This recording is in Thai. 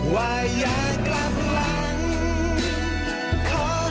ว่าอยากกลับหลัง